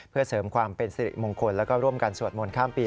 เพื่อเสริมความเป็นสิริมงคลแล้วก็ร่วมกันสวดมนต์ข้ามปี